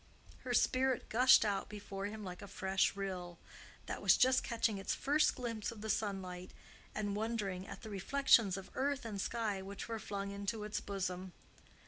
Her spirit gushed out before him like a fresh rill that was just catching its first glimpse of the sunlight and wondering at the reflections of earth and sky which were flung into its bosom.